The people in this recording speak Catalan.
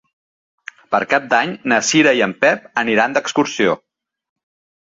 Per Cap d'Any na Cira i en Pep aniran d'excursió.